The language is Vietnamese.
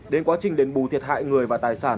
đến quá trình đền bù thiệt hại người và tài sản